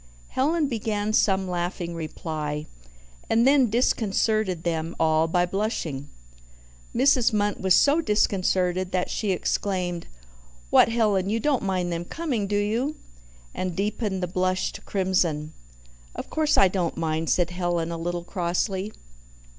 Helen began some laughing reply, and then disconcerted them all by blushing. Mrs. Munt was so disconcerted that she exclaimed, "What, Helen, you don't mind them coming, do you?" and deepened the blush to crimson. "Of course I don't mind," said Helen a little crossly.